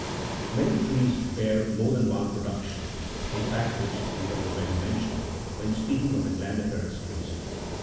Many trees bears more than one production, a fact which, we have already mentioned43 when speaking of the glandi ferous trees.